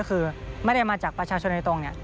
ก็คือแม้ได้มาจากประชาชนในตรง